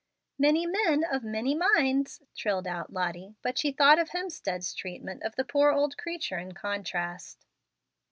"Many men of many minds," trilled out Lottie; but she thought of Hemstead's treatment of the poor old creature in contrast.